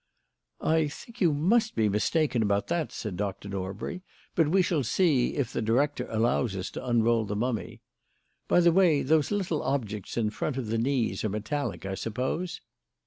"I think you must be mistaken about that," said Dr. Norbury, "but we shall see, if the Director allows us to unroll the mummy. By the way, those little objects in front of the knees are metallic, I suppose?"